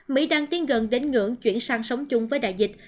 mỹ đang tiến gần đến ngưỡng chuyển sang sống chung với đại dịch